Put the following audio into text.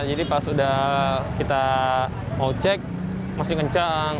jadi pas sudah kita mau cek masih kencang